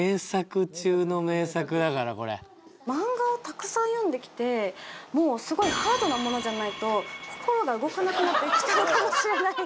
マンガをたくさん読んできてもうすごいハードなものじゃないと心が動かなくなってきたのかもしれない